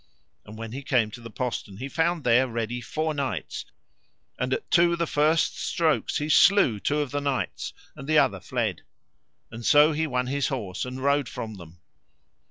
And when he came to the postern he found there ready four knights, and at two the first strokes he slew two of the knights, and the other fled; and so he won his horse and rode from them.